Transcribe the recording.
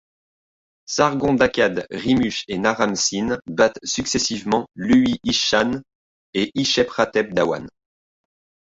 Sargon d'Akkad, Rimush et Naram-Sin battent successivement Luhi-ishshan et Hishep-ratep d'Awan.